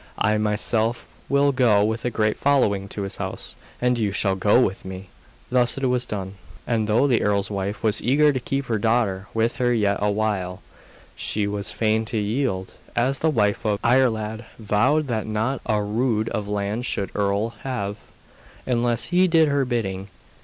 I myself will go with a great following to his house, and you shall go with me.' Thus it was done; and though the earl's wife was eager to keep her daughter with her yet a while, she was fain to yield, as the wife of Iarlaid vowed that not a rood of land should the earl have, unless he did her bidding.